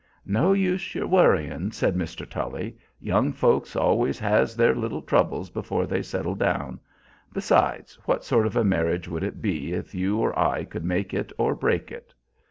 "No use your worryin'," said Mr. Tully. "Young folks always has their little troubles before they settle down besides, what sort of a marriage would it be if you or I could make it or break it?"